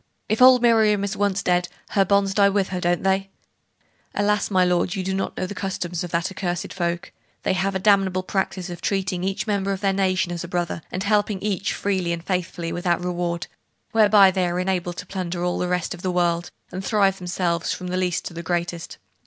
If old Miriam is once dead, her bonds die with her, don't they?' 'Alas, my lord, you do not know the customs of that accursed folk. They have a damnable practice of treating every member of their nation as a brother, and helping each freely and faithfully without reward; whereby they are enabled to plunder all the rest of the world, and thrive themselves, from the least to the greatest.